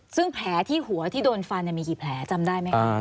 ซึ่งแผลที่หัวที่โดนฟันมีกี่แผลจำได้ไหมครับ